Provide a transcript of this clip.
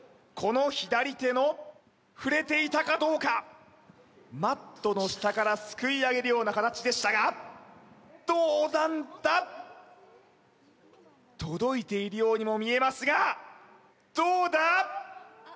この左手の触れていたかどうかマットの下からすくい上げるような形でしたがどうなんだ届いているようにも見えますがどうだ？